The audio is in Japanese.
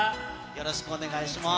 よろしくお願いします。